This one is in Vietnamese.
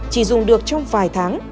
chỉ dùng được trong vài tháng